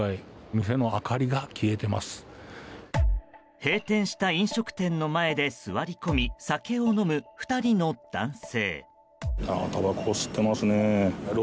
閉店した飲食店の前で座り込み酒を飲む２人の男性。